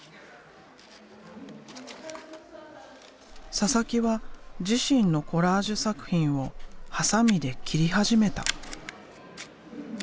佐々木は自身のコラージュ作品をハサミで切り始めた。